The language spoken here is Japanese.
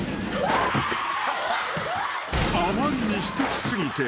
［あまりにすてき過ぎて］